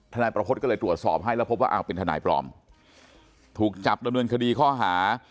นายประพฤติก็เลยตรวจสอบให้แล้วพบว่าอ้าวเป็นทนายปลอมถูกจับดำเนินคดีข้อหา